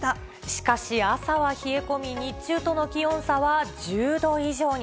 しかし、朝は冷え込み、日中との気温差は１０度以上に。